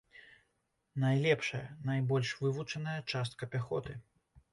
Найлепшая, найбольш вывучаная частка пяхоты.